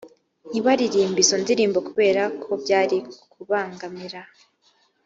ntibaririmbe izo ndirimbo kubera ko byari kubangamira